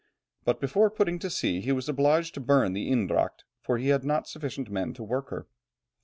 But before putting to sea he was obliged to burn the Eendracht, as he had not sufficient men to work her.